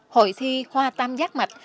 hội thi hoa tam giác mạch